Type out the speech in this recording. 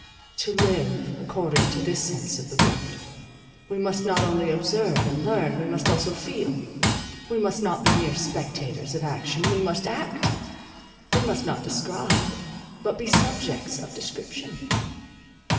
To live, according to this sense of the word, we must not only observe and learn, we must also feel; we must not be mere spectators of action, we must act; we must not describe, but be subjects of description.